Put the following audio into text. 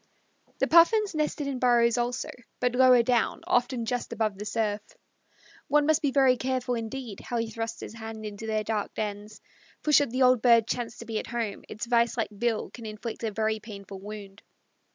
The Puffins nested in burrows also, but lower down often just above the surf. One must be very careful, indeed, how he thrusts his hand into their dark dens, for should the old bird chance to be at home, its vise like bill can inflict a very painful wound.